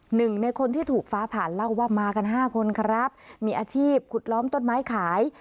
หนึ่งในคนที่ถูกฟ้าผ่านเล่าว่ามากันห้าคนครับมีอาชีพขุดล้อมต้นไม้ขาย